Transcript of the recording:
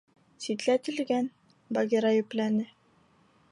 — Ситләтелгән, — Багира йөпләне.